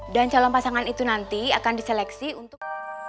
dan calon pasangan itu nanti akan diseleksi untuk